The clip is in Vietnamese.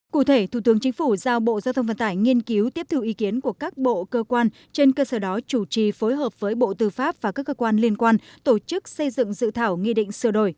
cụ thể thủ tướng chính phủ giao bộ giao thông vận tải nghiên cứu tiếp thư ý kiến của các bộ cơ quan trên cơ sở đó chủ trì phối hợp với bộ tư pháp và các cơ quan liên quan tổ chức xây dựng dự thảo nghị định sửa đổi